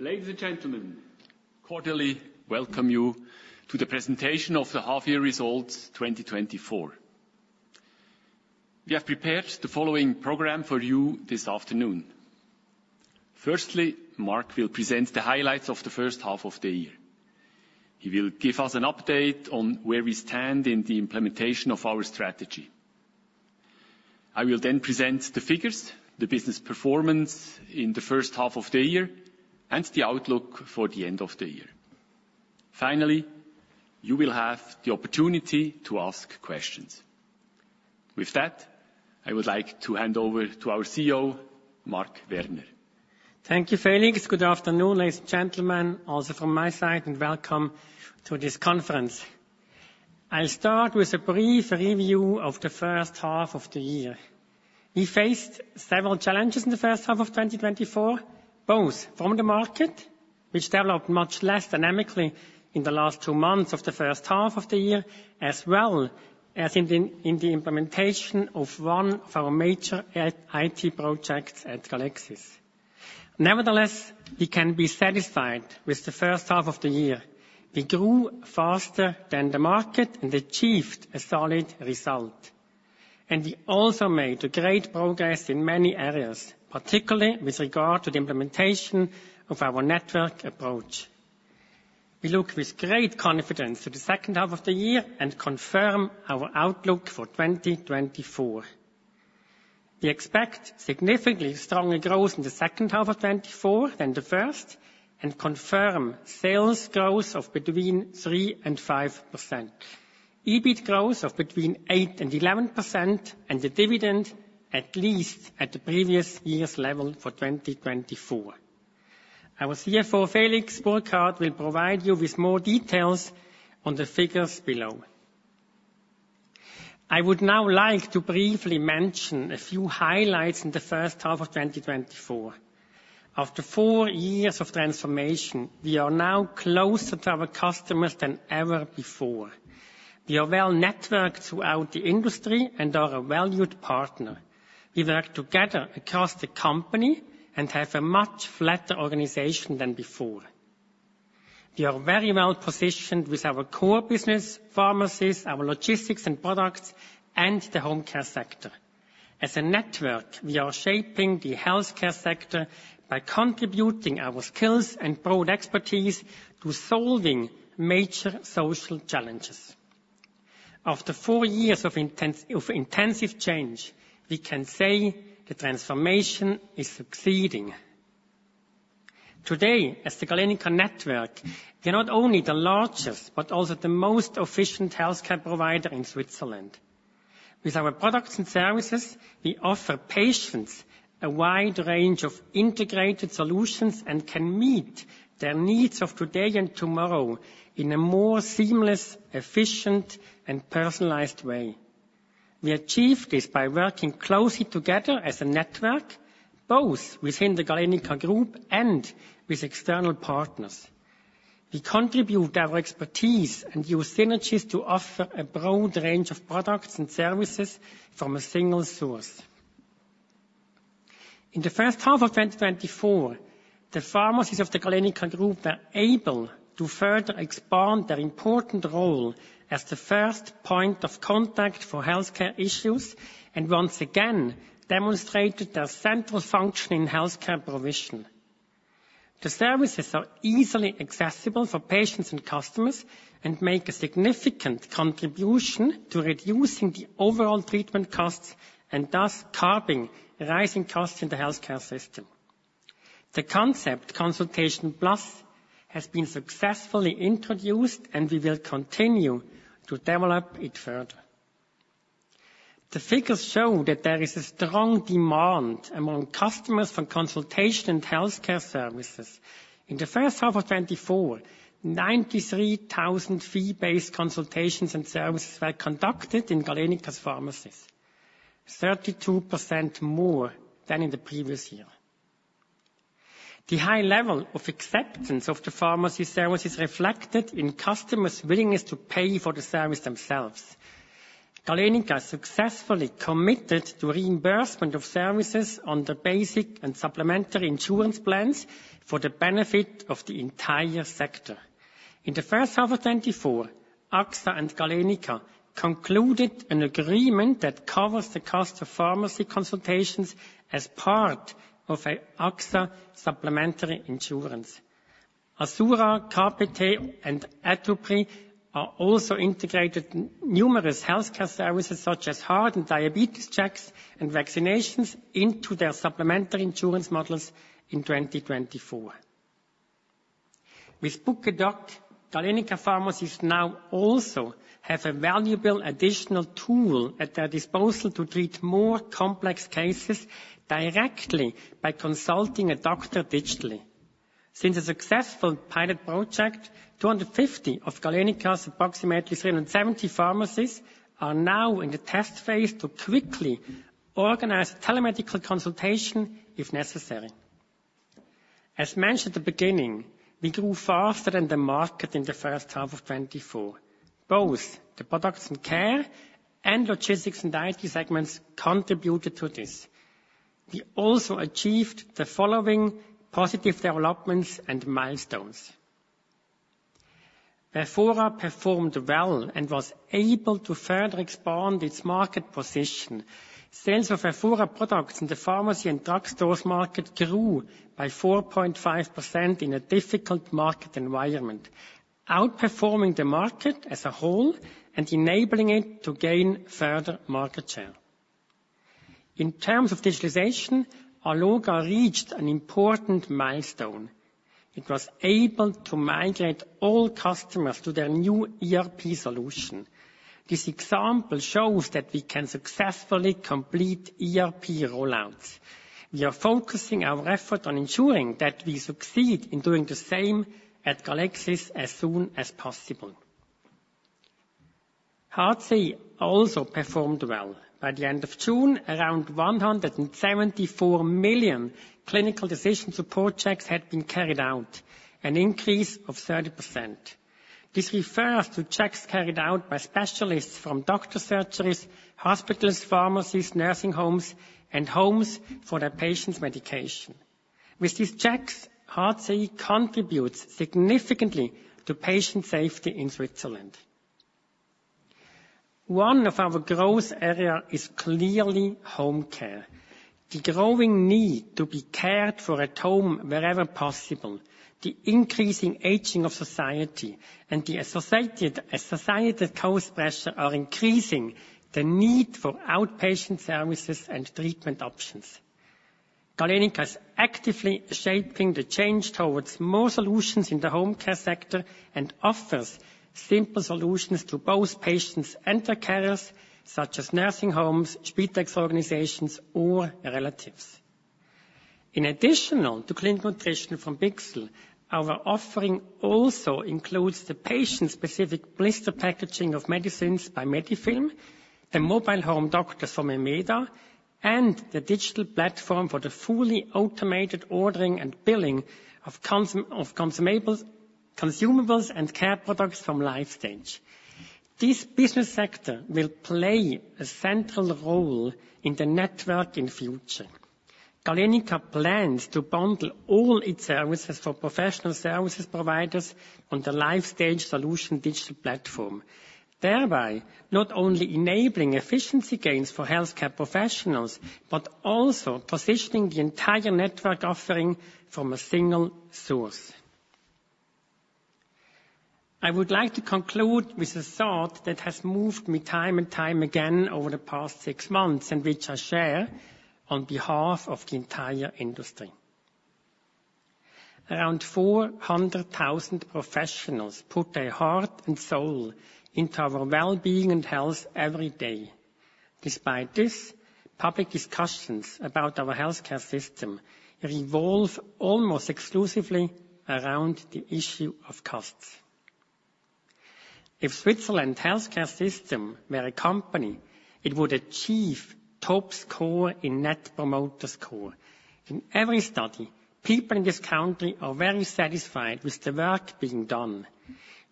Ladies and gentlemen, cordially welcome you to the presentation of the half-year results 2024. We have prepared the following program for you this afternoon. Firstly, Marc will present the highlights of the first half of the year. He will give us an update on where we stand in the implementation of our strategy. I will then present the figures, the business performance in the first half of the year, and the outlook for the end of the year. Finally, you will have the opportunity to ask questions. With that, I would like to hand over to our CEO, Marc Werner. Thank you, Felix. Good afternoon, ladies and gentlemen, also from my side, and welcome to this conference. I'll start with a brief review of the first half of the year. We faced several challenges in the first half of 2024, both from the market, which developed much less dynamically in the last two months of the first half of the year, as well as in the implementation of one of our major IT projects at Galenica. Nevertheless, we can be satisfied with the first half of the year. We grew faster than the market and achieved a solid result, and we also made great progress in many areas, particularly with regard to the implementation of our network approach. We look with great confidence to the second half of the year and confirm our outlook for 2024. We expect significantly stronger growth in the second half of 2024 than the first, and confirm sales growth of between 3% and 5%. EBIT growth of between 8% and 11%, and the dividend at least at the previous year's level for 2024. Our CFO, Felix Burkhard, will provide you with more details on the figures below. I would now like to briefly mention a few highlights in the first half of 2024. After four years of transformation, we are now closer to our customers than ever before. We are well-networked throughout the industry and are a valued partner. We work together across the company and have a much flatter organization than before. We are very well positioned with our core business, pharmacies, our logistics and products, and the home care sector. As a network, we are shaping the healthcare sector by contributing our skills and broad expertise to solving major social challenges. After four years of intensive change, we can say the transformation is succeeding. Today, as the Galenica network, we are not only the largest, but also the most efficient healthcare provider in Switzerland. With our products and services, we offer patients a wide range of integrated solutions, and can meet their needs of today and tomorrow in a more seamless, efficient, and personalized way. We achieve this by working closely together as a network, both within the Galenica Group and with external partners. We contribute our expertise and use synergies to offer a broad range of products and services from a single source. In the first half of 2024, the pharmacies of the Galenica Group were able to further expand their important role as the first point of contact for healthcare issues, and once again demonstrated their central function in healthcare provision. The services are easily accessible for patients and customers, and make a significant contribution to reducing the overall treatment costs, and thus curbing rising costs in the healthcare system. The concept Consultation Plus has been successfully introduced, and we will continue to develop it further. The figures show that there is a strong demand among customers for consultation and healthcare services. In the first half of 2024, 93,000 fee-based consultations and services were conducted in Galenica's pharmacies, 32% more than in the previous year. The high level of acceptance of the pharmacy service is reflected in customers' willingness to pay for the service themselves. Galenica successfully committed to reimbursement of services on the basic and supplementary insurance plans for the benefit of the entire sector. In the first half of 2024, AXA and Galenica concluded an agreement that covers the cost of pharmacy consultations as part of an AXA supplementary insurance. Assura, KPT, and Atupri have also integrated numerous healthcare services, such as heart and diabetes checks and vaccinations, into their supplementary insurance models in 2024. With Book a Doctor, Galenica pharmacies now also have a valuable additional tool at their disposal to treat more complex cases directly by consulting a doctor digitally. Since a successful pilot project, 250 of Galenica's approximately 370 pharmacies are now in the test phase to quickly organize telemedical consultation if necessary. As mentioned at the beginning, we grew faster than the market in the first half of 2024. Both the products and care, and logistics and IT segments contributed to this. We also achieved the following positive developments and milestones. Verfora performed well and was able to further expand its market position. Sales of Verfora products in the pharmacy and drug stores market grew by 4.5% in a difficult market environment, outperforming the market as a whole and enabling it to gain further market share. In terms of digitalization, Alloga reached an important milestone. It was able to migrate all customers to their new ERP solution. This example shows that we can successfully complete ERP rollouts. We are focusing our effort on ensuring that we succeed in doing the same at Galexis as soon as possible. HCI also performed well. By the end of June, around 174 million clinical decision support checks had been carried out, an increase of 30%. This refers to checks carried out by specialists from doctor surgeries, hospitals, pharmacies, nursing homes, and homes for their patients' medication. With these checks, HCI contributes significantly to patient safety in Switzerland. One of our growth area is clearly home care. The growing need to be cared for at home wherever possible, the increasing aging of society, and the associated cost pressure are increasing the need for outpatient services and treatment options. Galenica is actively shaping the change towards more solutions in the home care sector and offers simple solutions to both patients and their carers, such as nursing homes, Spitex organizations, or relatives. In addition to clinical nutrition from Bichsel, our offering also includes the patient-specific blister packaging of medicines by Medifilm, the mobile home doctor from Emeda, and the digital platform for the fully automated ordering and billing of consumables and care products from Lifestage. This business sector will play a central role in the network in future. Galenica plans to bundle all its services for professional service providers on the Lifestage Solutions digital platform. Thereby, not only enabling efficiency gains for healthcare professionals, but also positioning the entire network offering from a single source. I would like to conclude with a thought that has moved me time and time again over the past six months, and which I share on behalf of the entire industry. Around 400,000 professionals put their heart and soul into our well-being and health every day. Despite this, public discussions about our healthcare system revolve almost exclusively around the issue of costs. If the Swiss healthcare system were a company, it would achieve top score in Net Promoter Score. In every study, people in this country are very satisfied with the work being done.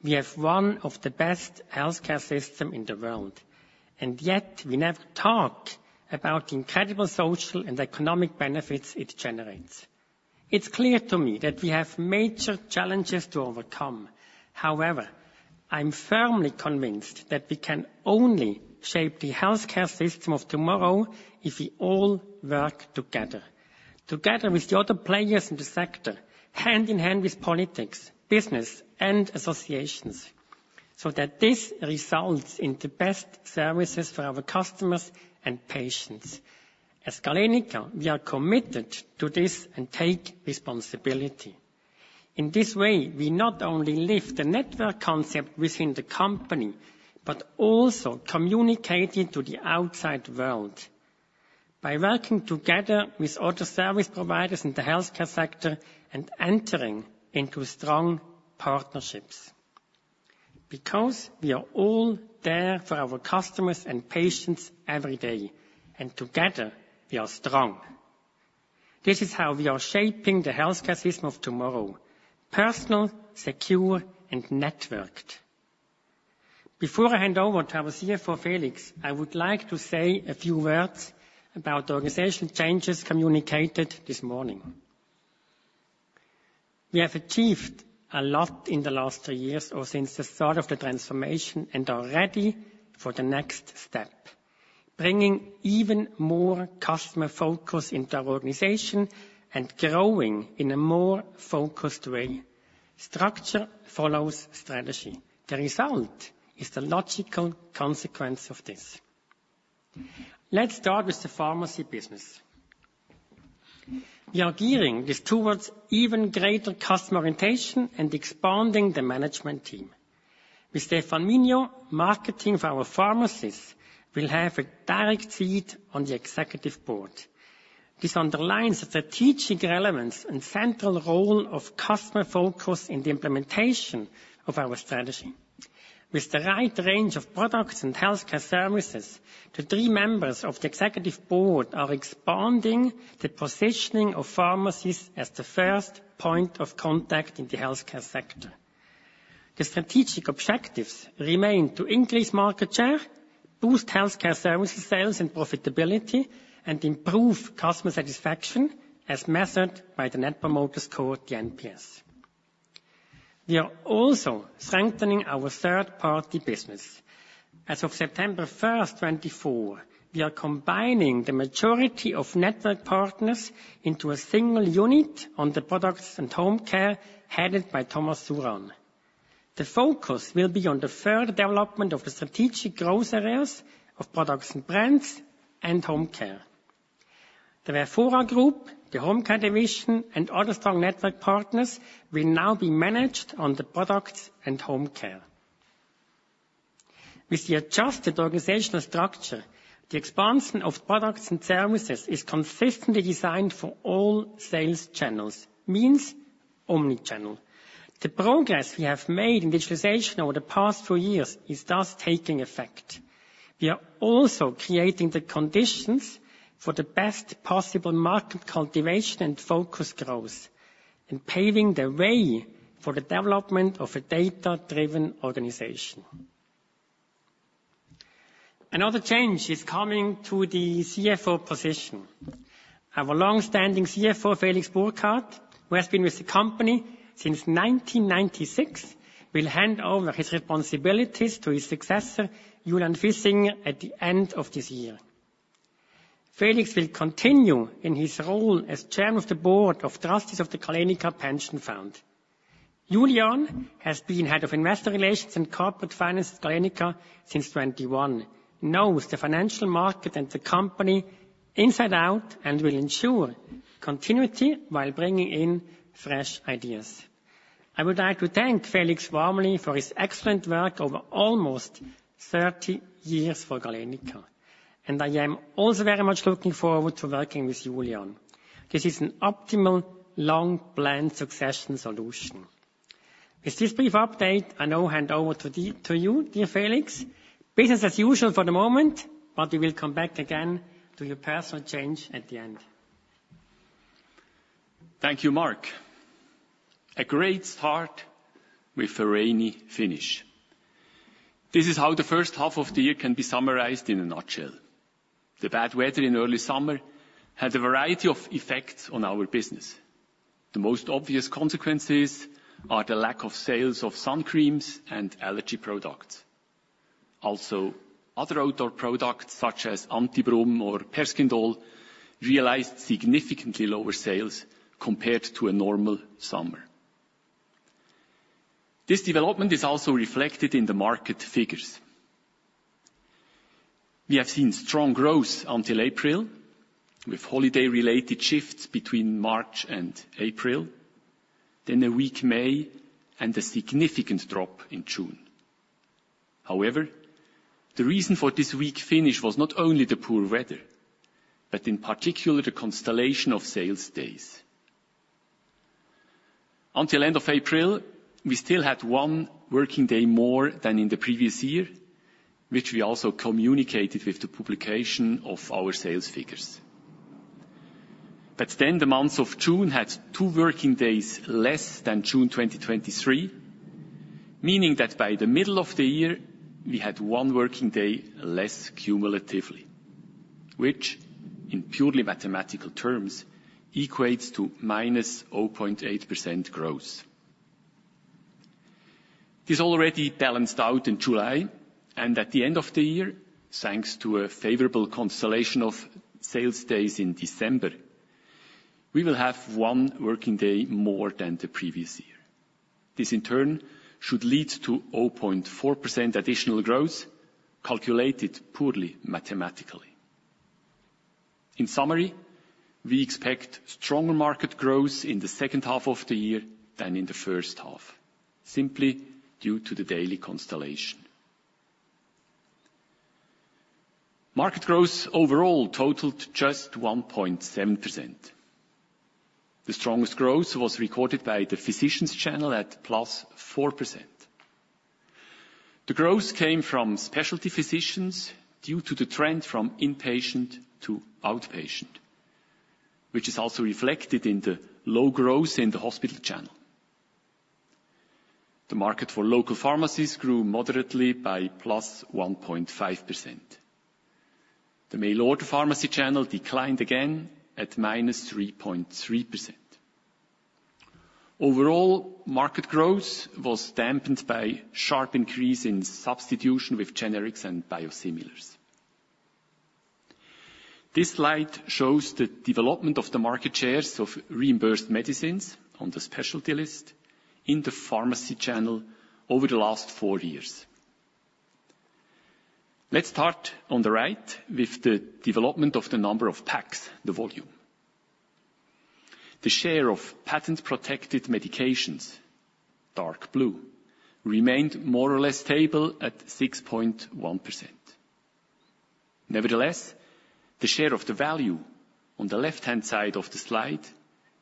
We have one of the best healthcare systems in the world, and yet we never talk about the incredible social and economic benefits it generates. It's clear to me that we have major challenges to overcome. However, I'm firmly convinced that we can only shape the healthcare system of tomorrow if we all work together, together with the other players in the sector, hand in hand with politics, business, and associations, so that this results in the best services for our customers and patients. As Galenica, we are committed to this and take responsibility. In this way, we not only live the network concept within the company, but also communicate it to the outside world by working together with other service providers in the healthcare sector and entering into strong partnerships. Because we are all there for our customers and patients every day, and together we are strong. This is how we are shaping the healthcare system of tomorrow: personal, secure, and networked. Before I hand over to our CFO, Felix, I would like to say a few words about the organizational changes communicated this morning. We have achieved a lot in the last three years or since the start of the transformation and are ready for the next step, bringing even more customer focus into our organization and growing in a more focused way. Structure follows strategy. The result is the logical consequence of this. Let's start with the pharmacy business. We are gearing this towards even greater customer orientation and expanding the management team. With Stefan Mignot, marketing for our pharmacies will have a direct seat on the Executive Board. This underlines the strategic relevance and central role of customer focus in the implementation of our strategy. With the right range of products and healthcare services, the three members of the Executive Board are expanding the positioning of pharmacies as the first point of contact in the healthcare sector. The strategic objectives remain to increase market share, boost healthcare services, sales, and profitability, and improve customer satisfaction as measured by the Net Promoter Score, the NPS. We are also strengthening our third-party business. As of September 1st, 2024, we are combining the majority of network partners into a single unit on the products and home care, headed by Thomas Szuran. The focus will be on the further development of the strategic growth areas of products and brands and home care. The Verfora Group, the Home Care division, and other strong network partners will now be managed on the products and home care. With the adjusted organizational structure, the expansion of products and services is consistently designed for all sales channels, means omni-channel. The progress we have made in digitization over the past two years is thus taking effect. We are also creating the conditions for the best possible market cultivation and focus growth, and paving the way for the development of a data-driven organization. Another change is coming to the CFO position. Our long-standing CFO, Felix Burkhard, who has been with the company since 1996, will hand over his responsibilities to his successor, Julien Fiessinger, at the end of this year. Felix will continue in his role as chairman of the board of trustees of the Galenica Pension Fund. Julien has been head of Investor Relations and Corporate Finance at Galenica since 2021, knows the financial market and the company inside out, and will ensure continuity while bringing in fresh ideas. I would like to thank Felix warmly for his excellent work over almost 30 years for Galenica, and I am also very much looking forward to working with Julien. This is an optimal, long-planned succession solution. With this brief update, I now hand over to you, dear Felix. Business as usual for the moment, but we will come back again to your personal change at the end. Thank you, Marc. A great start with a rainy finish. This is how the first half of the year can be summarized in a nutshell. The bad weather in early summer had a variety of effects on our business. The most obvious consequences are the lack of sales of sun creams and allergy products. Also, other outdoor products, such as Anti-Brumm or Perskindol, realized significantly lower sales compared to a normal summer. This development is also reflected in the market figures. We have seen strong growth until April, with holiday-related shifts between March and April, then a weak May, and a significant drop in June. However, the reason for this weak finish was not only the poor weather, but in particular, the constellation of sales days. Until end of April, we still had one working day more than in the previous year, which we also communicated with the publication of our sales figures. But then the months of June had two working days less than June 2023, meaning that by the middle of the year, we had one working day less cumulatively, which, in purely mathematical terms, equates to -0.8% growth. This already balanced out in July, and at the end of the year, thanks to a favorable constellation of sales days in December, we will have one working day more than the previous year. This, in turn, should lead to 0.4% additional growth, calculated purely mathematically. In summary, we expect stronger market growth in the second half of the year than in the first half, simply due to the daily constellation. Market growth overall totaled just 1.7%. The strongest growth was recorded by the physicians channel at +4%. The growth came from specialty physicians due to the trend from inpatient to outpatient, which is also reflected in the low growth in the hospital channel. The market for local pharmacies grew moderately by +1.5%. The mail-order pharmacy channel declined again at -3.3%. Overall, market growth was dampened by sharp increase in substitution with generics and biosimilars. This slide shows the development of the market shares of reimbursed medicines on the specialty list in the pharmacy channel over the last four years. Let's start on the right with the development of the number of packs, the volume. The share of patent-protected medications, dark blue, remained more or less stable at 6.1%. Nevertheless, the share of the value on the left-hand side of the slide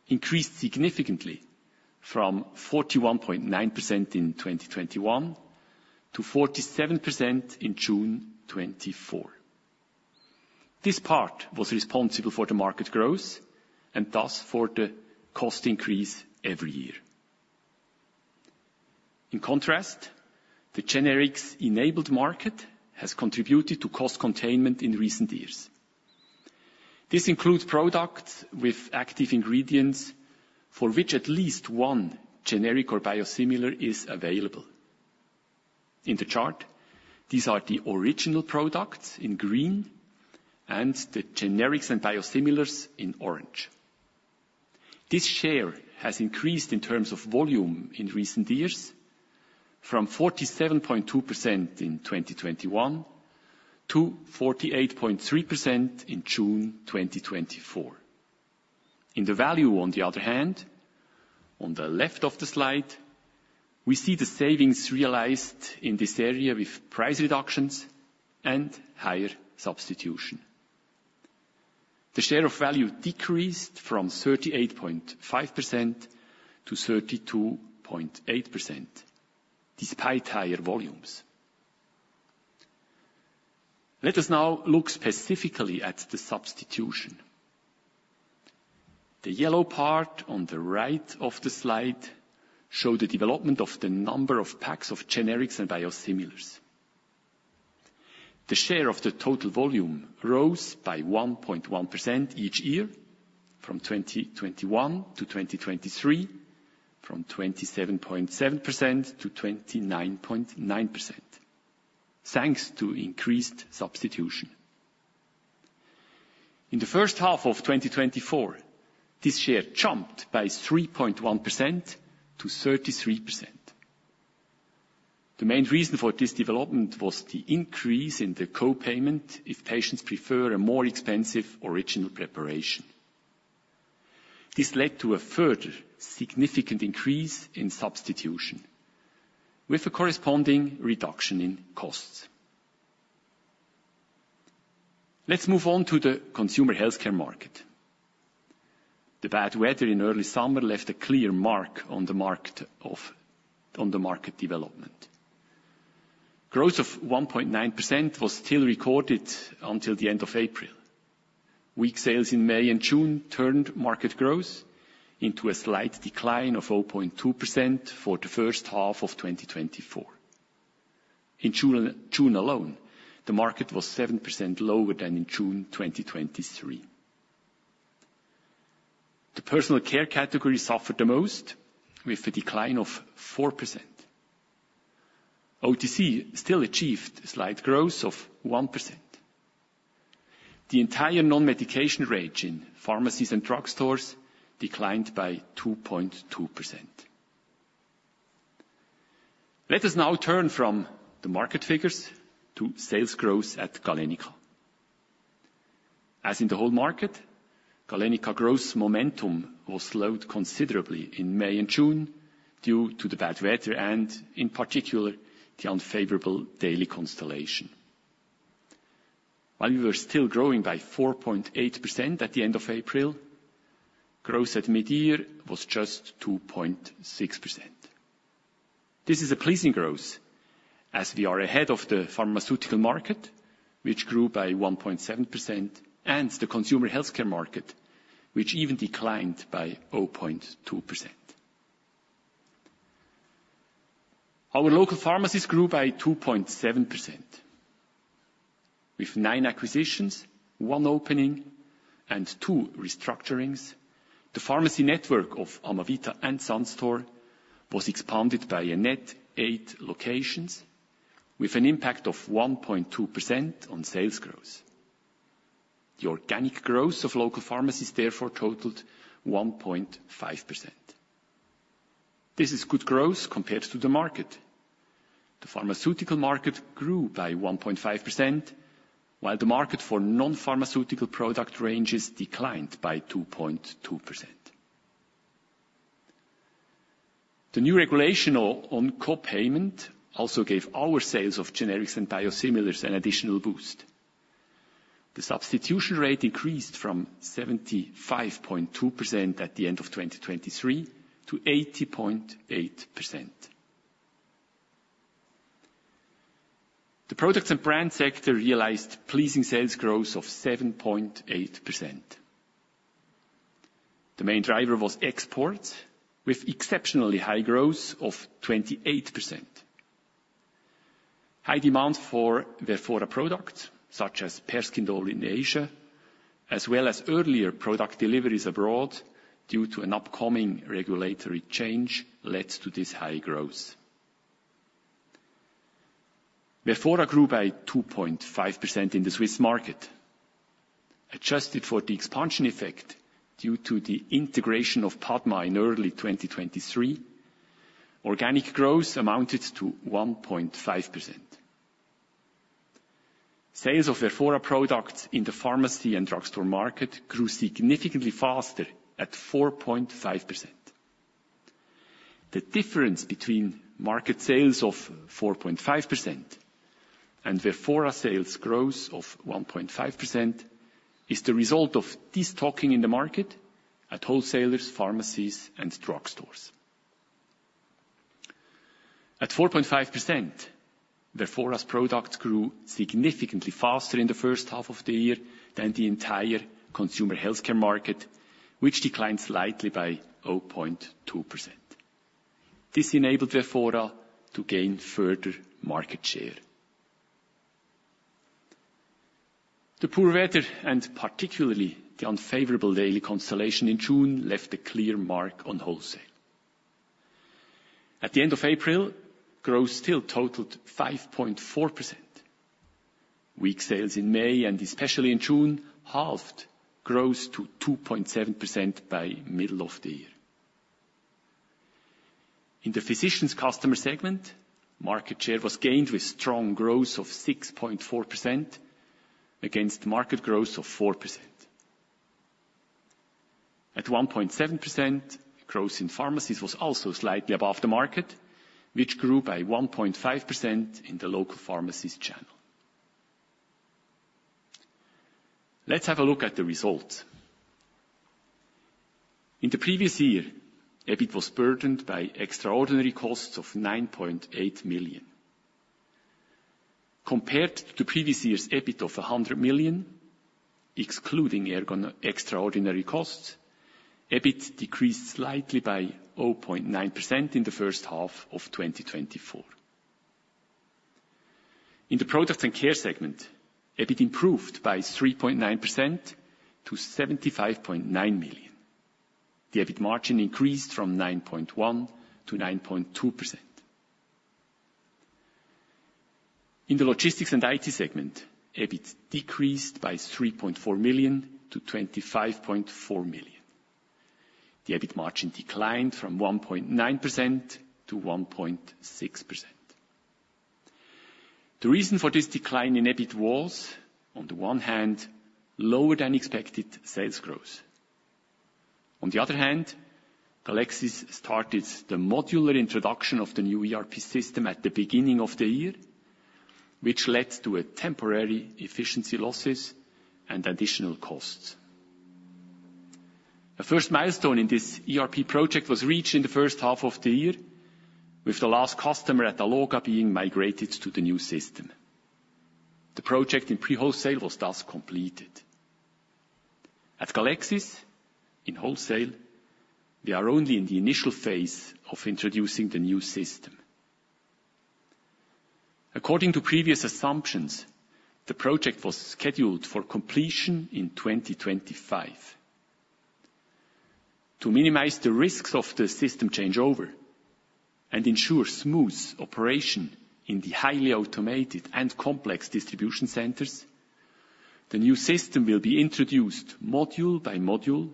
increased significantly from 41.9% in 2021 to 47% in June 2024.... This part was responsible for the market growth, and thus for the cost increase every year. In contrast, the generics-enabled market has contributed to cost containment in recent years. This includes products with active ingredients for which at least one generic or biosimilar is available. In the chart, these are the original products in green and the generics and biosimilars in orange. This share has increased in terms of volume in recent years, from 47.2% in 2021, to 48.3% in June 2024. In the value, on the other hand, on the left of the slide, we see the savings realized in this area with price reductions and higher substitution. The share of value decreased from 38.5% to 32.8%, despite higher volumes. Let us now look specifically at the substitution. The yellow part on the right of the slide show the development of the number of packs of generics and biosimilars. The share of the total volume rose by 1.1% each year from 2021 to 2023, from 27.7% to 29.9%, thanks to increased substitution. In the first half of 2024, this share jumped by 3.1% to 33%. The main reason for this development was the increase in the co-payment if patients prefer a more expensive original preparation. This led to a further significant increase in substitution, with a corresponding reduction in costs. Let's move on to the consumer healthcare market. The bad weather in early summer left a clear mark on the market development. Growth of 1.9% was still recorded until the end of April. Weak sales in May and June turned market growth into a slight decline of 0.2% for the first half of 2024. In June, June alone, the market was 7% lower than in June 2023. The personal care category suffered the most, with a decline of 4%. OTC still achieved a slight growth of 1%. The entire non-medication range in pharmacies and drug stores declined by 2.2%. Let us now turn from the market figures to sales growth at Galenica. As in the whole market, Galenica growth momentum was slowed considerably in May and June due to the bad weather, and in particular, the unfavorable daily constellation. While we were still growing by 4.8% at the end of April, growth at mid-year was just 2.6%. This is a pleasing growth, as we are ahead of the pharmaceutical market, which grew by 1.7%, and the consumer healthcare market, which even declined by 0.2%. Our local pharmacies grew by 2.7%. With 9 acquisitions, 1 opening, and 2 restructurings, the pharmacy network of Amavita and Sun Store was expanded by a net 8 locations, with an impact of 1.2% on sales growth. The organic growth of local pharmacies therefore totaled 1.5%. This is good growth compared to the market. The pharmaceutical market grew by 1.5%, while the market for non-pharmaceutical product ranges declined by 2.2%. The new regulation on co-payment also gave our sales of generics and biosimilars an additional boost. The substitution rate increased from 75.2% at the end of 2023 to 80.8%. The products and brand sector realized pleasing sales growth of 7.8%. The main driver was export, with exceptionally high growth of 28%. High demand for Verfora products, such as Perskindol in Asia, as well as earlier product deliveries abroad due to an upcoming regulatory change, led to this high growth. Verfora grew by 2.5% in the Swiss market. Adjusted for the expansion effect due to the integration of PADMA in early 2023, organic growth amounted to 1.5%. Sales of Verfora products in the pharmacy and drugstore market grew significantly faster at 4.5%. The difference between market sales of 4.5% and Verfora sales growth of 1.5% is the result of destocking in the market at wholesalers, pharmacies, and drugstores. At 4.5%, the Verfora's products grew significantly faster in the first half of the year than the entire consumer healthcare market, which declined slightly by 0.2%. This enabled Verfora to gain further market share. The poor weather, and particularly the unfavorable daily constellation in June, left a clear mark on wholesale. At the end of April, growth still totaled 5.4%. Weak sales in May, and especially in June, halved growth to 2.7% by middle of the year. In the physicians customer segment, market share was gained with strong growth of 6.4% against market growth of 4%. At 1.7%, growth in pharmacies was also slightly above the market, which grew by 1.5% in the local pharmacies channel. Let's have a look at the results. In the previous year, EBIT was burdened by extraordinary costs of 9.8 million. Compared to the previous year's EBIT of 100 million, excluding extraordinary costs, EBIT decreased slightly by 0.9% in the first half of 2024. In the products and care segment, EBIT improved by 3.9% to 75.9 million. The EBIT margin increased from 9.1% to 9.2%. In the logistics and IT segment, EBIT decreased by 3.4 million to 25.4 million. The EBIT margin declined from 1.9% to 1.6%. The reason for this decline in EBIT was, on the one hand, lower than expected sales growth. On the other hand, Galenica started the modular introduction of the new ERP system at the beginning of the year, which led to a temporary efficiency losses and additional costs. The first milestone in this ERP project was reached in the first half of the year, with the last customer at the Alloga being migrated to the new system. The project in pre-wholesale was thus completed. At Galenica, in wholesale, we are only in the initial phase of introducing the new system. According to previous assumptions, the project was scheduled for completion in 2025. To minimize the risks of the system changeover and ensure smooth operation in the highly automated and complex distribution centers, the new system will be introduced module by module,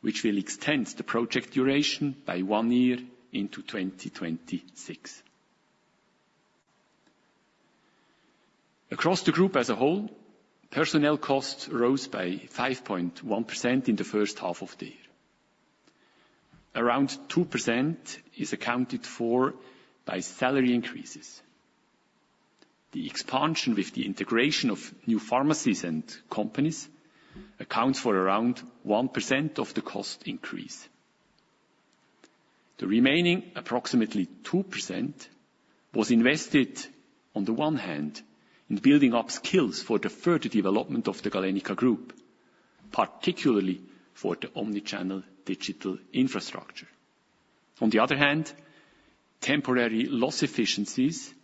which will extend the project duration by one year into 2026. Across the group as a whole, personnel costs rose by 5.1% in the first half of the year. Around 2% is accounted for by salary increases. The expansion with the integration of new pharmacies and companies accounts for around 1% of the cost increase. The remaining, approximately 2%, was invested, on the one hand, in building up skills for the further development of the Galenica Group, particularly for the omni-channel digital infrastructure. On the other hand, temporary efficiency losses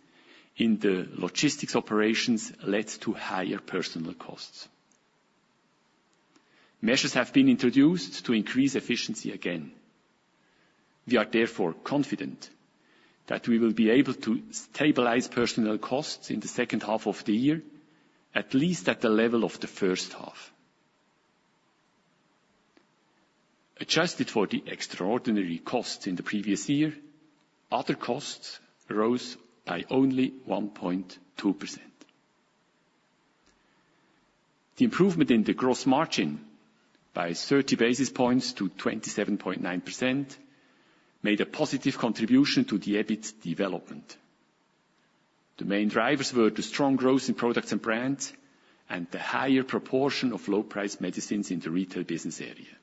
in the logistics operations led to higher personnel costs. Measures have been introduced to increase efficiency again. We are therefore confident that we will be able to stabilize personnel costs in the second half of the year, at least at the level of the first half. Adjusted for the extraordinary costs in the previous year, other costs rose by only 1.2%. The improvement in the gross margin by 30 basis points to 27.9% made a positive contribution to the EBIT development. The main drivers were the strong growth in products and brands, and the higher proportion of low-price medicines in the retail business area.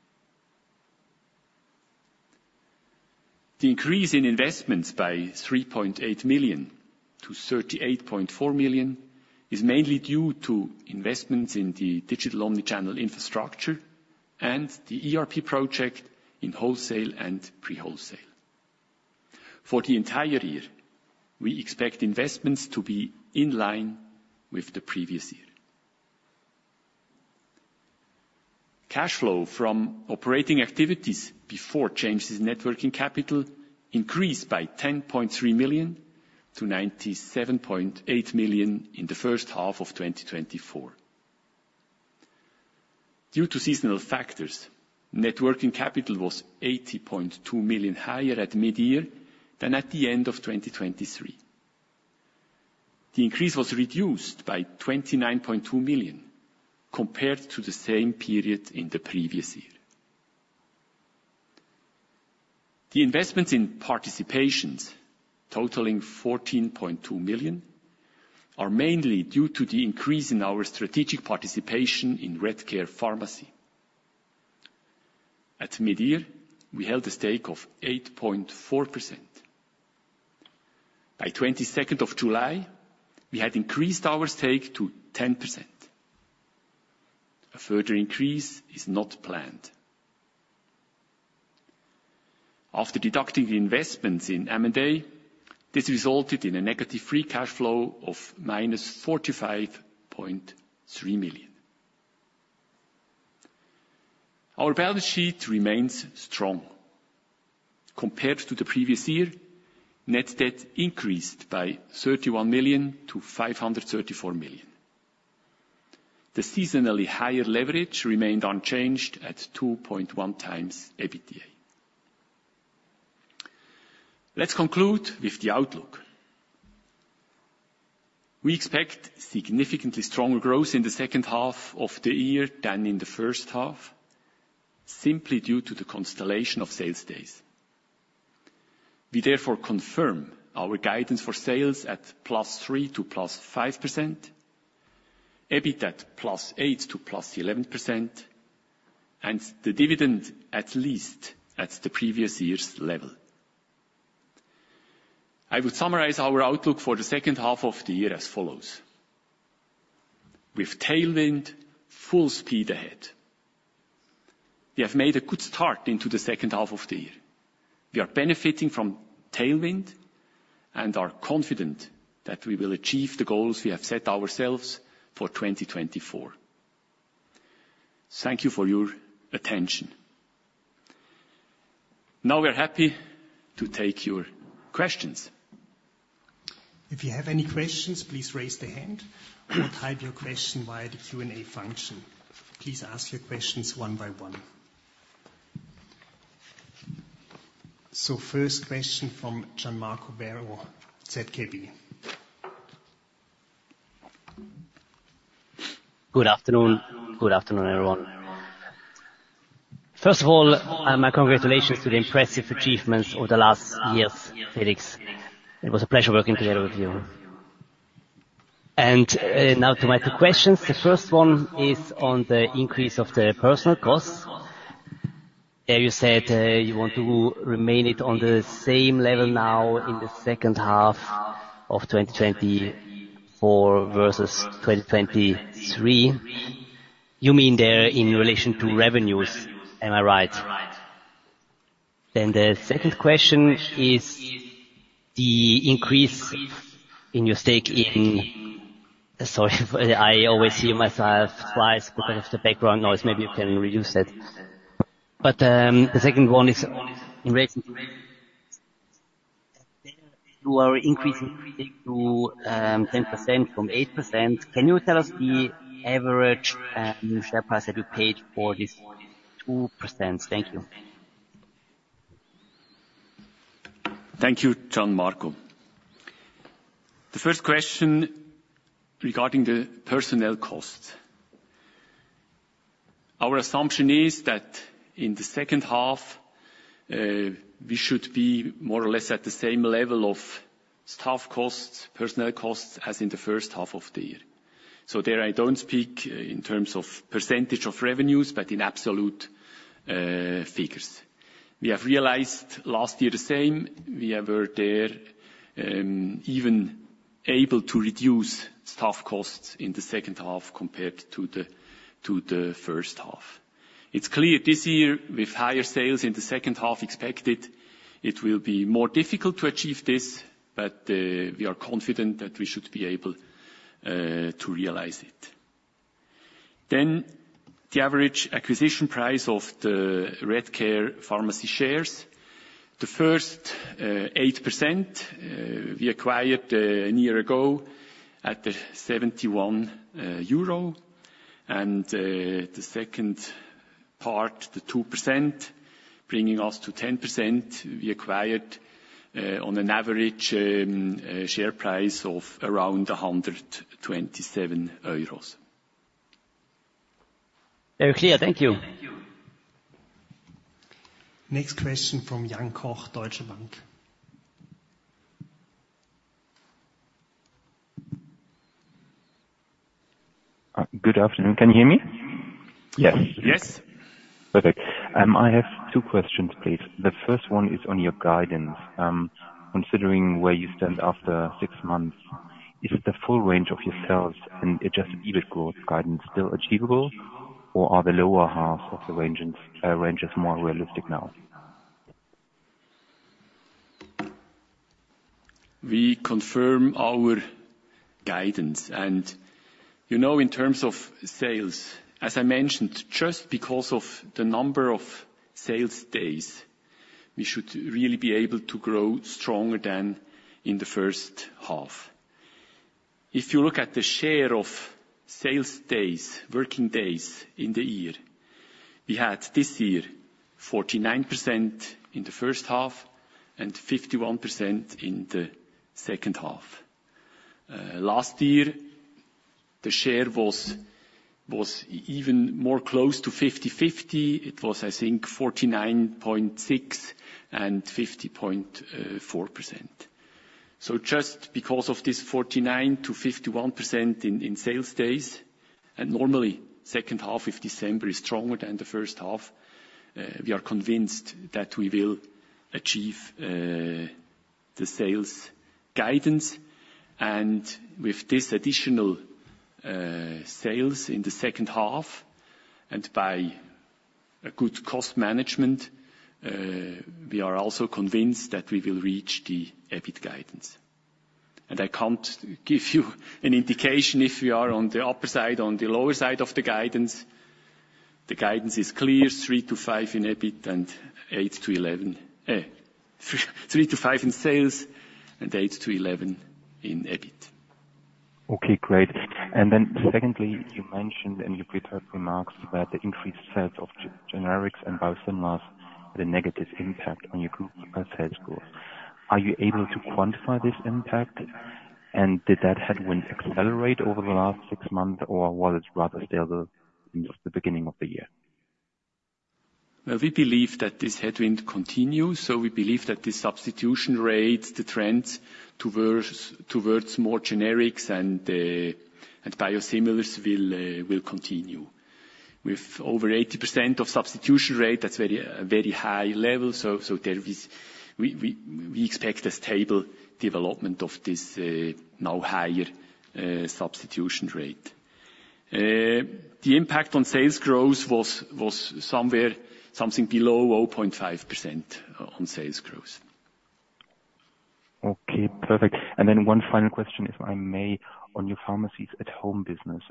The increase in investments by 3.8 million to 38.4 million is mainly due to investments in the digital omni-channel infrastructure and the ERP project in wholesale and pre-wholesale. For the entire year, we expect investments to be in line with the previous year. Cash flow from operating activities before changes in net working capital increased by 10.3 million to 97.8 million in the first half of 2024. Due to seasonal factors, net working capital was 80.2 million higher at mid-year than at the end of 2023. The increase was reduced by 29.2 million compared to the same period in the previous year. The investments in participations, totaling 14.2 million, are mainly due to the increase in our strategic participation in Redcare Pharmacy. At mid-year, we held a stake of 8.4%. By July 22nd, we had increased our stake to 10%. A further increase is not planned. After deducting the investments in M&A, this resulted in a negative free cash flow of -45.3 million. Our balance sheet remains strong. Compared to the previous year, net debt increased by 31 million to 534 million. The seasonally higher leverage remained unchanged at 2.1 times EBITDA. Let's conclude with the outlook. We expect significantly stronger growth in the second half of the year than in the first half, simply due to the constellation of sales days. We therefore confirm our guidance for sales at +3% to +5%, EBIT at +8% to +11%, and the dividend, at least at the previous year's level. I would summarize our outlook for the second half of the year as follows: with tailwind, full speed ahead. We have made a good start into the second half of the year. We are benefiting from tailwind and are confident that we will achieve the goals we have set ourselves for 2024. Thank you for your attention. Now we are happy to take your questions. If you have any questions, please raise the hand or type your question via the Q&A function. Please ask your questions one by one. So first question from Gian Marco Werro, ZKB. Good afternoon. Good afternoon, everyone. First of all, my congratulations to the impressive achievements over the last years, Felix. It was a pleasure working together with you. Now to my two questions. The first one is on the increase of the personnel costs. There you said, you want to remain it on the same level now in the second half of 2024 versus 2023. You mean there in relation to revenues. Am I right? Then the second question is the increase in your stake in... Sorry, I always hear myself twice because of the background noise. Maybe you can reduce it. But, the second one is in relation to you are increasing to 10% from 8%. Can you tell us the average new share price that you paid for this 2%? Thank you. Thank you, Gian Marco. The first question regarding the personnel costs. Our assumption is that in the second half, we should be more or less at the same level of staff costs, personnel costs, as in the first half of the year. So there I don't speak in terms of percentage of revenues, but in absolute, figures. We have realized last year the same. We have were there, even able to reduce staff costs in the second half compared to the, to the first half. It's clear this year, with higher sales in the second half expected, it will be more difficult to achieve this, but, we are confident that we should be able, to realize it. Then, the average acquisition price of the Redcare Pharmacy shares. The first 8% we acquired a year ago at 71 euro, and the second part, the 2%, bringing us to 10%, we acquired on an average share price of around 127 euros. Very clear. Thank you. Next question from Jan Koch, Deutsche Bank. Good afternoon. Can you hear me? Yes. Yes. Perfect. I have two questions, please. The first one is on your guidance. Considering where you stand after 6 months, is the full range of your sales and adjusted EBIT growth guidance still achievable, or is the lower half of the range more realistic now? We confirm our guidance. And, you know, in terms of sales, as I mentioned, just because of the number of sales days, we should really be able to grow stronger than in the first half. If you look at the share of sales days, working days in the year, we had this year 49% in the first half and 51% in the second half. Last year, the share was even more close to 50/50. It was, I think, 49.6 and 50.4%. So just because of this 49%-51% in sales days, and normally second half of December is stronger than the first half, we are convinced that we will achieve the sales guidance. With this additional sales in the second half, and by a good cost management, we are also convinced that we will reach the EBIT guidance. I can't give you an indication if we are on the upper side, on the lower side of the guidance. The guidance is clear, 3-5 in EBIT and 8-11- 3-5 in sales, and 8-11 in EBIT. Okay, great. And then secondly, you mentioned in your prepared remarks about the increased sales of generics and biosimilars, the negative impact on your group sales growth. Are you able to quantify this impact? And did that headwind accelerate over the last six months, or was it rather stable in the beginning of the year? Well, we believe that this headwind continues, so we believe that the substitution rates, the trends towards towards more generics and, and biosimilars will, will continue. With over 80% substitution rate, that's very, a very high level, so, so there is- we, we, we expect a stable development of this, now higher, substitution rate. The impact on sales growth was, was somewhere something below 0.5% on sales growth. Okay, perfect. And then one final question, if I may, on your pharmacies at home business.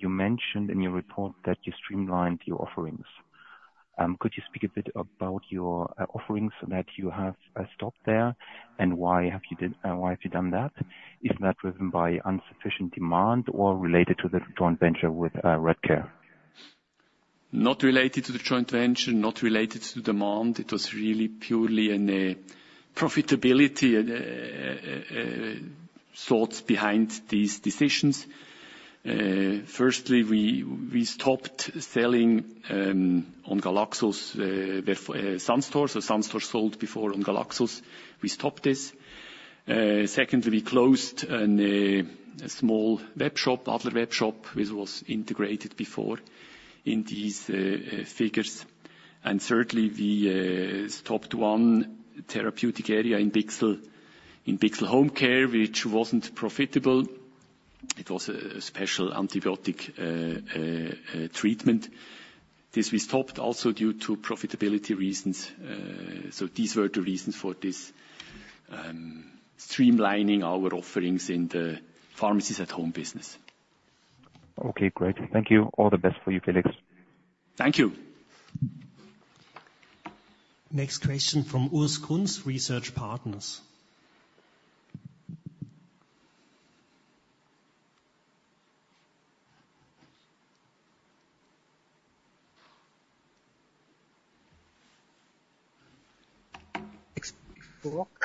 You mentioned in your report that you streamlined your offerings. Could you speak a bit about your offerings that you have stopped there, and why have you done that? Is that driven by insufficient demand or related to the joint venture with Redcare? Not related to the joint venture, not related to demand. It was really purely in a profitability thought behind these decisions. Firstly, we stopped selling on Galaxus, where Sun Store. So Sun Store sold before on Galaxus. We stopped this. Secondly, we closed a small webshop, other webshop, which was integrated before in these figures. And thirdly, we stopped one therapeutic area in Bichsel, in Bichsel Home Care, which wasn't profitable. It was a special antibiotic treatment. This we stopped also due to profitability reasons. So these were the reasons for this streamlining our offerings in the pharmacies at home business. Okay, great. Thank you. All the best for you, Felix. Thank you. Next question from Urs Kunz, Research Partners.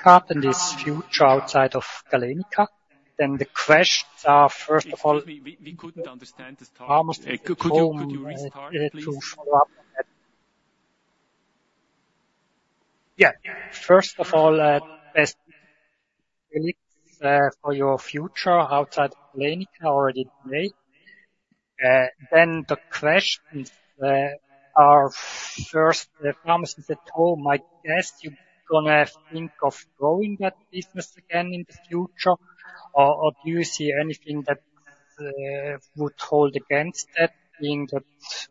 And this future outside of Galenica, then the questions are, first of all- Excuse me, we couldn't understand this part. Could you restart, please? Yeah. First of all, best for your future outside of Galenica, already today. Then the questions are first, the pharmacies at home. I guess you're gonna think of growing that business again in the future, or do you see anything that would hold against that, being that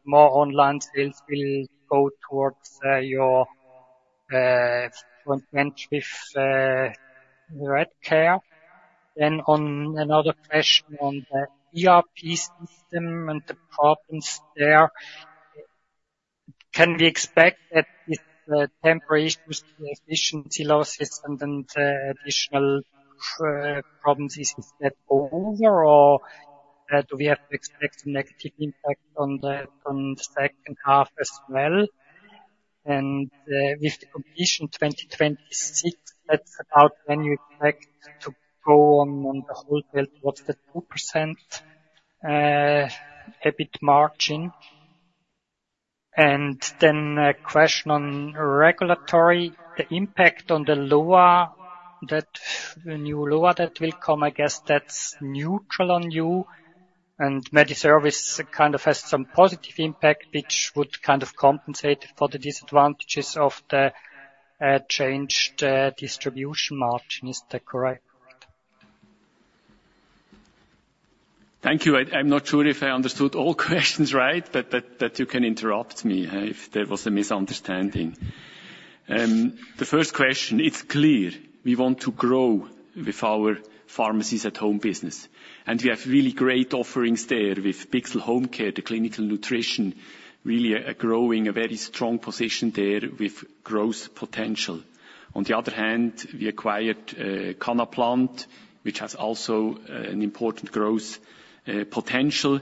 more online sales will go towards your joint venture with Redcare? Then on another question on the ERP system and the problems there, can we expect that with the temporary issues, the efficiency losses and then the additional problems, is that over? Or do we have to expect negative impact on the, on the second half as well? And with the completion 2026, that's about when you expect to go on, on the whole field. What's the 2% EBIT margin? And then a question on regulatory, the impact on the LAMal, that new LAMal that will come, I guess that's neutral on you, and MediService kind of has some positive impact, which would kind of compensate for the disadvantages of the changed distribution margin. Is that correct? Thank you. I'm not sure if I understood all questions right, but you can interrupt me if there was a misunderstanding. The first question, it's clear we want to grow with our pharmacies at home business, and we have really great offerings there with Bichsel Home Care, the clinical nutrition, really a growing, a very strong position there with growth potential. On the other hand, we acquired Cannaplant, which has also an important growth potential.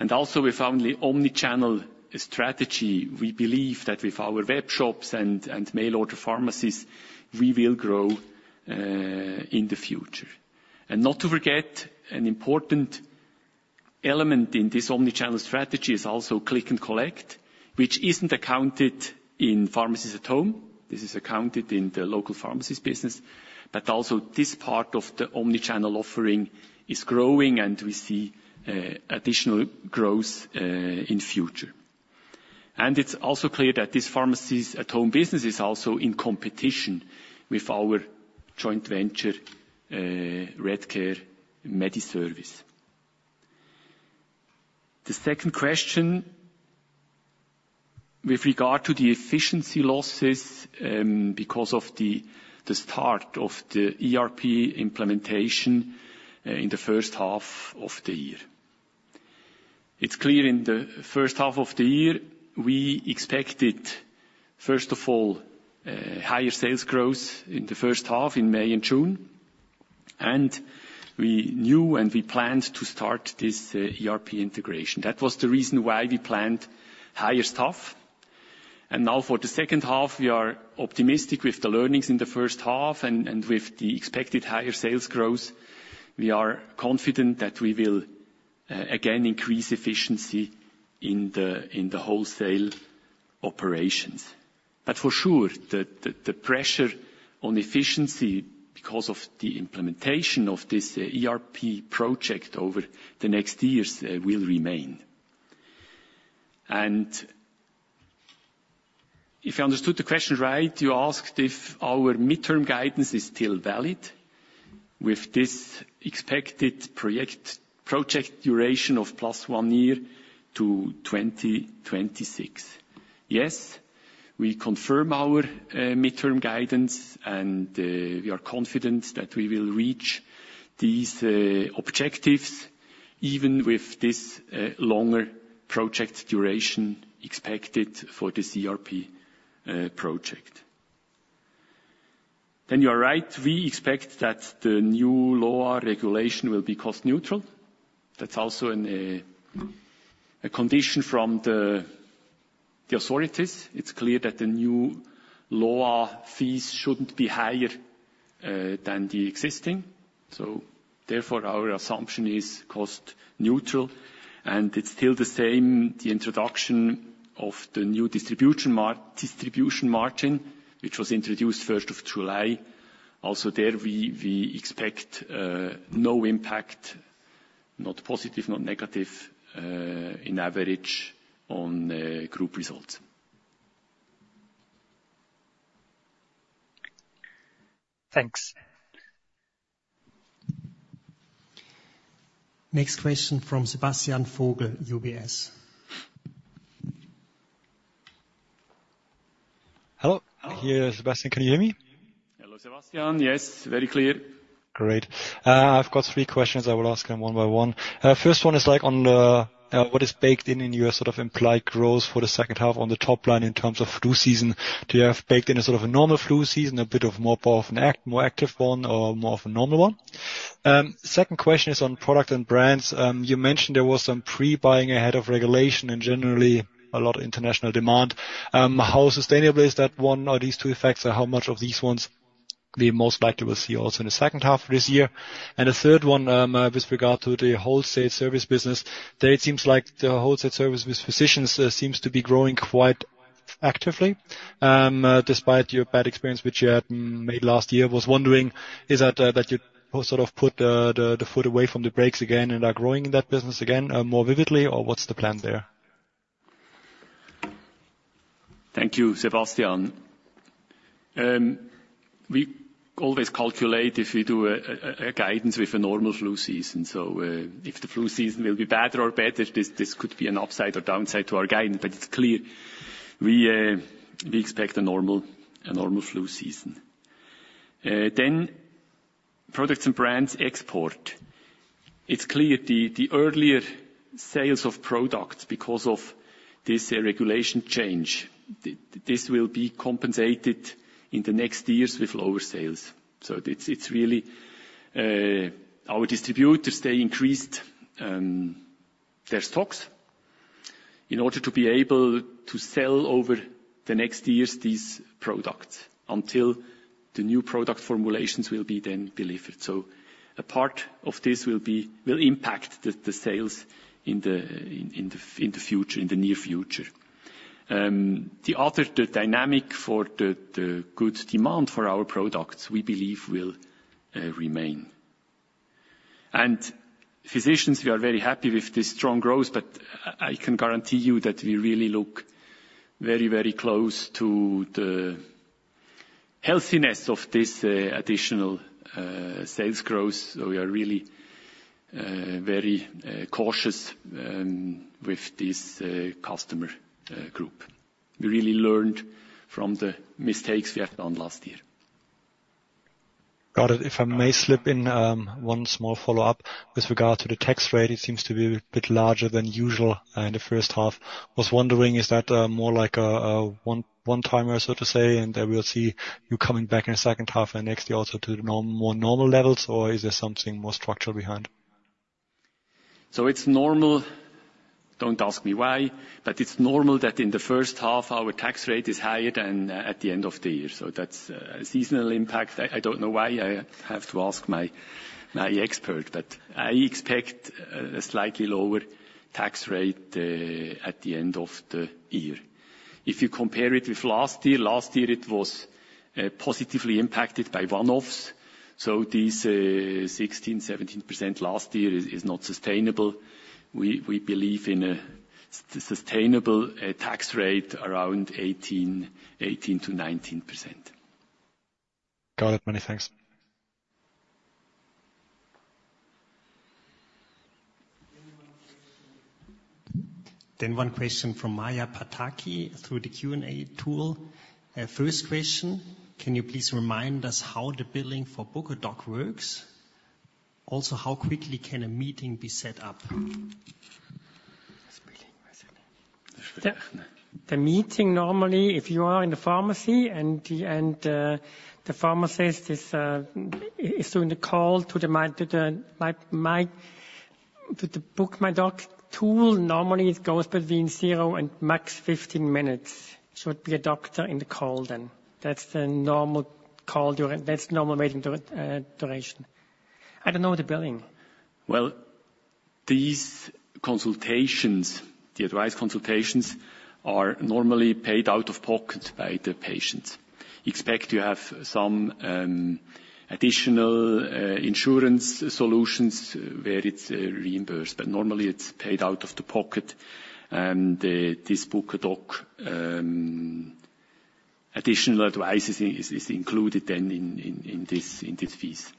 And also, with only omni-channel strategy, we believe that with our webshops and mail order pharmacies, we will grow in the future. And not to forget, an important element in this omni-channel strategy is also click and collect, which isn't accounted in pharmacies at home. This is accounted in the local pharmacies business. But also, this part of the omni-channel offering is growing, and we see additional growth in future. It's also clear that this pharmacies at home business is also in competition with our joint venture Redcare MediService. The second question, with regard to the efficiency losses, because of the start of the ERP implementation in the first half of the year. It's clear in the first half of the year, we expected, first of all, higher sales growth in the first half in May and June, and we knew and we planned to start this ERP integration. That was the reason why we planned higher staff. And now for the second half, we are optimistic with the learnings in the first half and with the expected higher sales growth, we are confident that we will again increase efficiency in the wholesale operations. But for sure, the pressure on efficiency because of the implementation of this ERP project over the next years will remain. And if I understood the question right, you asked if our midterm guidance is still valid with this expected project duration of plus one year to 2026. Yes, we confirm our midterm guidance, and we are confident that we will reach these objectives, even with this longer project duration expected for this ERP project. Then you are right, we expect that the new LOA regulation will be cost neutral. That's also a condition from the authorities. It's clear that the new LOA fees shouldn't be higher than the existing. Therefore, our assumption is cost neutral. It's still the same, the introduction of the new distribution margin, which was introduced first of July. Also there, we expect no impact, not positive, not negative, on average on group results. Thanks. Next question from Sebastian Vogel, UBS. Hello? Here, Sebastian, can you hear me? Hello, Sebastian. Yes, very clear. Great. I've got three questions. I will ask them one by one. First one is like on the, what is baked in, in your sort of implied growth for the second half on the top line in terms of flu season? Do you have baked in a sort of a normal flu season, a bit more of an active one or more of a normal one? Second question is on product and brands. You mentioned there was some pre-buying ahead of regulation and generally a lot of international demand. How sustainable is that one or these two effects, or how much of these ones we most likely will see also in the second half of this year? And the third one, with regard to the wholesale service business, there it seems like the wholesale service with physicians seems to be growing quite actively, despite your bad experience, which you had made last year. Was wondering, is that you sort of put the foot away from the brakes again and are growing that business again, more vividly, or what's the plan there? Thank you, Sebastian. We always calculate if we do a guidance with a normal flu season. So if the flu season will be better or bad, this could be an upside or downside to our guidance, but it's clear we expect a normal flu season. Then products and brands export. It's clear the earlier sales of products because of this regulation change, this will be compensated in the next years with lower sales. So it's really our distributors, they increased their stocks in order to be able to sell over the next years these products until the new product formulations will be then delivered. So a part of this will impact the sales in the future, in the near future. The dynamic for the good demand for our products, we believe will remain. And physicians, we are very happy with this strong growth, but I can guarantee you that we really look very, very close to the healthiness of this additional sales growth. So we are really very cautious with this customer group. We really learned from the mistakes we have done last year. Got it. If I may slip in, one small follow-up with regard to the tax rate, it seems to be a bit larger than usual in the first half. I was wondering, is that more like a one-timer, so to say, and then we'll see you coming back in the second half and next year also to the norm, more normal levels, or is there something more structural behind? So it's normal. Don't ask me why, but it's normal that in the first half, our tax rate is higher than at the end of the year. So that's a seasonal impact. I don't know why. I have to ask my expert, but I expect a slightly lower tax rate at the end of the year. If you compare it with last year, last year it was positively impacted by one-offs, so this 16%-17% last year is not sustainable. We believe in a sustainable tax rate around 18%-19%. Got it. Many thanks. One question from Maja Pataki through the Q&A tool. First question: Can you please remind us how the billing for Book a Doc works? Also, how quickly can a meeting be set up? The meeting, normally, if you are in the pharmacy and the pharmacist is doing the call to the Book a Doctor tool, normally it goes between 0 and max 15 minutes. Should be a doctor in the call then. That's the normal call during... That's normal waiting duration. I don't know the billing. Well, these consultations, the advice consultations, are normally paid out of pocket by the patients. Except you have some additional insurance solutions where it's reimbursed, but normally it's paid out of the pocket, and this Book a Doctor additional advice is included then in this, in these fees.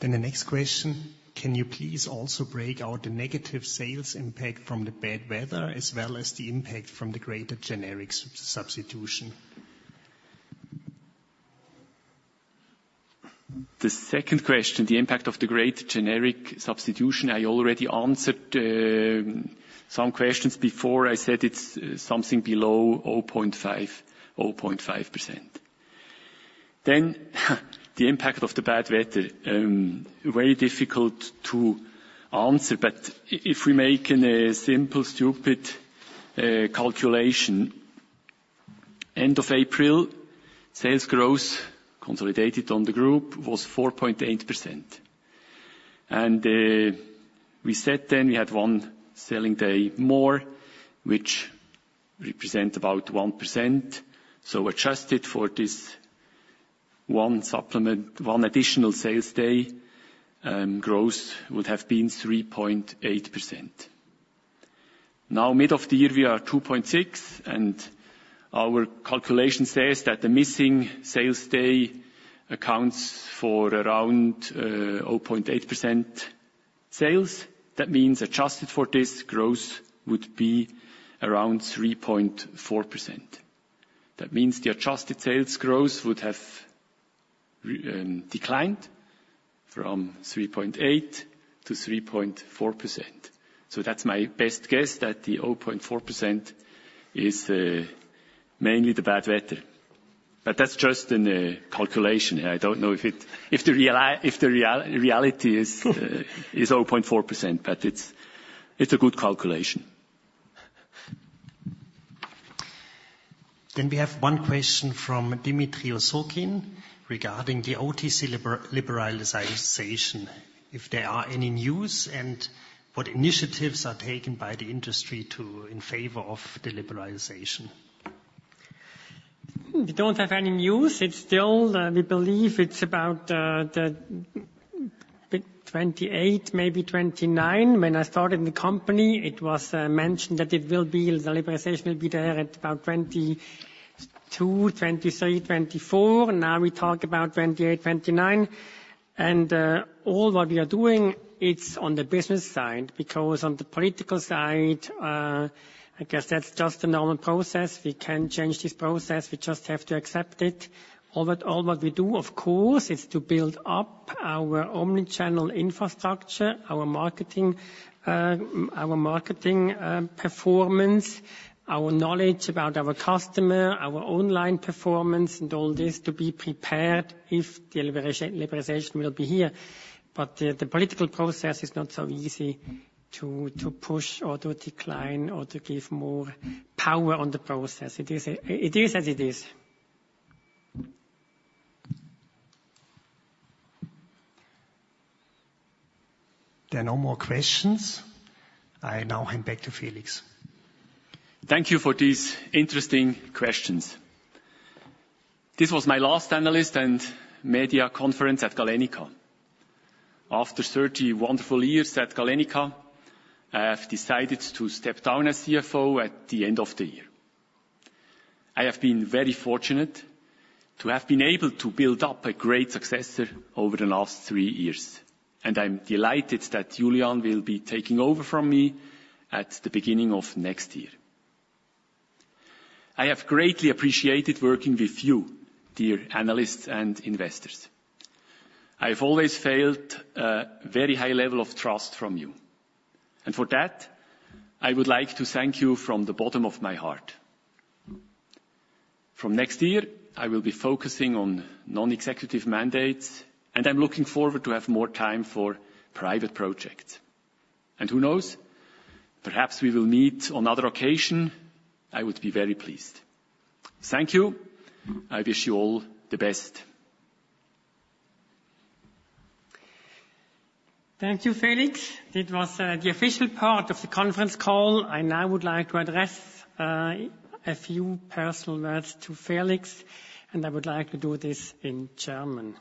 Then the next question: Can you please also break out the negative sales impact from the bad weather, as well as the impact from the greater Generics substitution? The second question, the impact of the great generic substitution, I already answered some questions before. I said it's something below 0.5, 0.5%. Then, the impact of the bad weather. Very difficult to answer, but if we make a simple, stupid calculation, end of April, sales growth consolidated on the group was 4.8%. We said then we had one selling day more, which represent about 1%, so adjusted for this one supplement, one additional sales day, growth would have been 3.8%. Now, mid of the year, we are 2.6%, and our calculation says that the missing sales day accounts for around 0.8% sales. That means adjusted for this, growth would be around 3.4%. That means the adjusted sales growth would have declined from 3.8% to 3.4%. So that's my best guess, that the 0.4% is mainly the bad weather. But that's just in a calculation. I don't know if the reality is 0.4%, but it's a good calculation. Then we have one question from Dmitry Osokin regarding the OTC liberalization. If there are any news, and what initiatives are taken by the industry to, in favor of the liberalization? We don't have any news. It's still, we believe it's about the 2028, maybe 2029. When I started in the company, it was mentioned that it will be, the liberalization will be there at about 2022, 2023, 2024. Now we talk about 2028, 2029. And all what we are doing, it's on the business side, because on the political side, I guess that's just a normal process. We can't change this process. We just have to accept it. All what, all what we do, of course, is to build up our omni-channel infrastructure, our marketing, our marketing performance, our knowledge about our customer, our online performance, and all this, to be prepared if the liberalization will be here. But the political process is not so easy to push or to decline or to give more power on the process. It is as it is. There are no more questions. I now hand back to Felix. Thank you for these interesting questions. This was my last analyst and media conference at Galenica. After 30 wonderful years at Galenica, I have decided to step down as CFO at the end of the year. I have been very fortunate to have been able to build up a great successor over the last 3 years, and I'm delighted that Julien will be taking over from me at the beginning of next year. I have greatly appreciated working with you, dear analysts and investors. I've always felt a very high level of trust from you, and for that, I would like to thank you from the bottom of my heart. From next year, I will be focusing on non-executive mandates, and I'm looking forward to have more time for private projects. And who knows? Perhaps we will meet on another occasion. I would be very pleased. Thank you. I wish you all the best. Thank you, Felix. That was the official part of the conference call. I now would like to address a few personal words to Felix, and I would like to do this in German.